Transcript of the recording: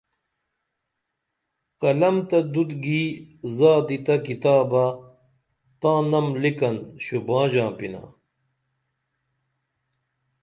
قلم تہ دُت گی زادی تہ کتابہ تاں نم لِکن شُباں ژانپِنا